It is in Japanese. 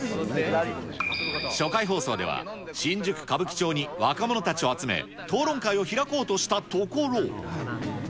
初回放送では、新宿・歌舞伎町に若者たちを集め、討論会を開こうとしたところ。